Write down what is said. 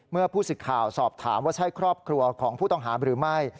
ผู้สิทธิ์ข่าวสอบถามว่าใช่ครอบครัวของผู้ต้องหาหรือไม่